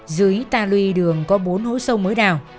dưới ta lùi đường có bốn hố sâu mới đào